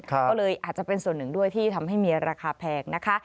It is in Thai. ก็เลยอาจจะเป็นส่วนหนึ่งด้วยที่ทำให้มีราคาแพงนะคะ